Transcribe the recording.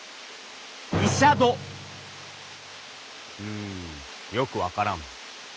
うんよく分からん。